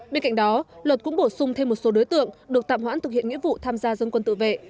bên cạnh đó luật cũng bổ sung thêm một số đối tượng được tạm hoãn thực hiện nghĩa vụ tham gia dân quân tự vệ